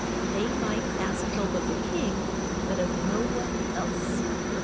They might ask help of the king, but of no one else.